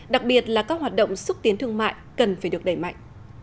đặc biệt là các hoạt động xúc tiến thương mại cần phải được đẩy mạnh